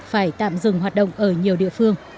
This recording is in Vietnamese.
phải tạm dừng hoạt động ở nhiều địa phương